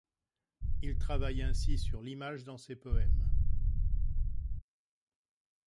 Il travaille ainsi sur l'image dans ses poèmes.